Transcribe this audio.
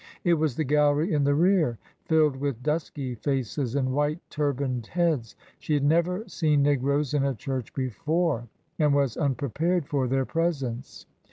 It was the gallery in the rear, filled with dusky faces and white turbaned heads. She had never seen negroes in a church before, and was unprepared for their presence.